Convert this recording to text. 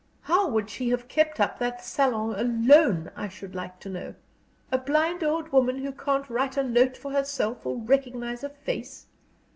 How would she have kept up that salon alone, I should like to know a blind old woman who can't write a note for herself or recognize a face?